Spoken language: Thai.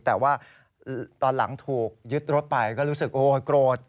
แต่ว่าตอนหลังถูกยึดรถไปก็รู้สึกโอ้ยโกรธ